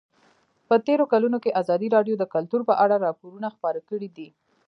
په تېرو کلونو کې ازادي راډیو د کلتور په اړه راپورونه خپاره کړي دي.